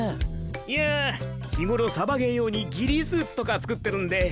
いや日頃サバゲー用にギリースーツとか作ってるんで。